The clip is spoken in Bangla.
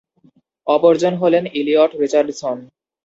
অপরজন হলেন ইলিয়ট রিচার্ডসন।